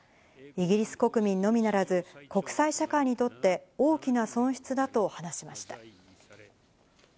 イギリス国民のみならず、国際社会にとって大きな損失だと話しました。